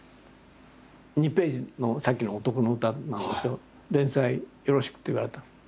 ２ページのさっきの「おとこの詩」なんですけど「連載よろしく」って言われたの。